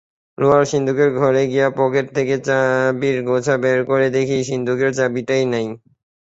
লোহার সিন্দুকের ঘরে গিয়ে পকেট থেকে চাবির গোছা বের করে দেখি সিন্দুকের চাবিটাই নেই।